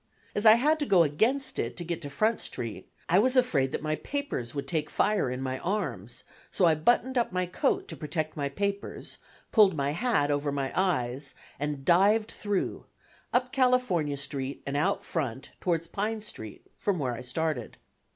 As I had to go against it to get to Front Street, I was afraid that my papers would take fire in my arms; so I buttoned up my coat to protect my papers, pulled my hat over my eyes, and dived through, up California Street and out Front towards Pine Street, from where I started.